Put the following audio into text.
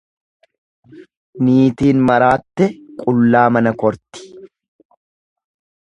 Niitiin maraatte qullaa mana korti.